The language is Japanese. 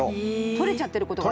取れちゃってる。